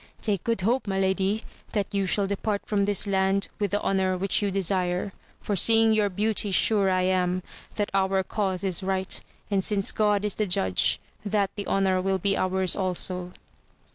Take good hope, my lady, that you shall depart from this land with the honour which you desire, for seeing your beauty sure I am that our cause is right, and since God is the judge, that the honour will be ours also.